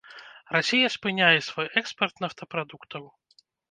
Расія спыняе свой экспарт нафтапрадуктаў.